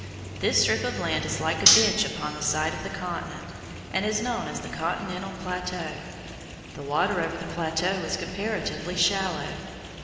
This strip of land is like a bench upon the side of the continent, and is known as the continental plateau. The water over the plateau is comparatively shallow.